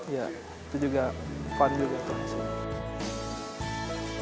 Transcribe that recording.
ya itu juga fun juga tuh